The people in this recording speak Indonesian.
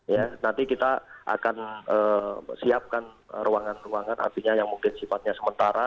ya nanti kita akan siapkan ruangan ruangan artinya yang mungkin sifatnya sementara